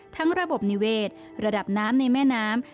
ระบบนิเวศระดับน้ำในแม่น้ำ